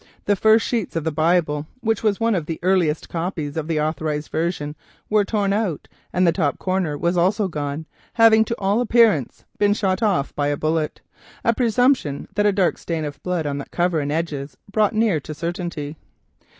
The first sheets of the Bible, which was one of the earliest copies of the authorised version, were torn out, and the top corner was also gone, having to all appearance been shot off by a bullet, a presumption that a dark stain of blood upon the cover and edges brought near to certainty.